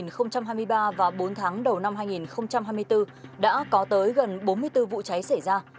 năm hai nghìn hai mươi ba và bốn tháng đầu năm hai nghìn hai mươi bốn đã có tới gần bốn mươi bốn vụ cháy xảy ra